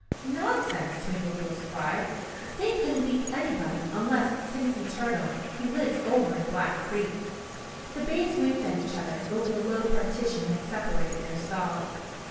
"Nonsense!" Twinkleheels cried. "They couldn't beat anybody unless it's Timothy Turtle, who lives over in Black Creek." The bays winked at each other over the low partition that separated their stalls.